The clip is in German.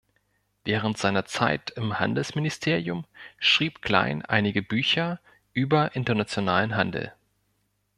Während seiner Zeit im Handelsministerium schrieb Klein einige Bücher über internationalen Handel.